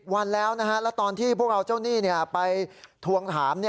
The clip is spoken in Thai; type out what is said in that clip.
๑๐วันแล้วนะฮะแล้วตอนที่พวกเราเจ้านี่ไปถวงถาม